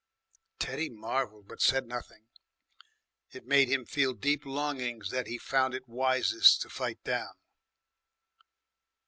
Teddy marvelled, but said nothing. It made him feel deep longings that he found it wisest to fight down.